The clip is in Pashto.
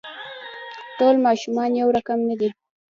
ټول ماشومان يو رقم نه دي.